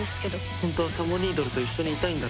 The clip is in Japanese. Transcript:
本当はサボニードルと一緒にいたいんだろ？